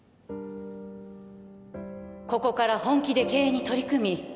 ここから本気で経営に取り組み